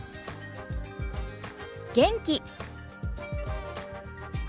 元気。